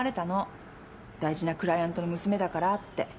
大事なクライアントの娘だからって。